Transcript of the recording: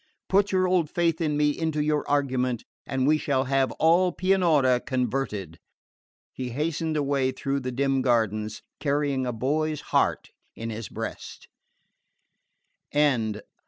Put your old faith in me into your argument, and we shall have all Pianura converted." He hastened away through the dim gardens, carrying a boy's heart in his breast. 4.10.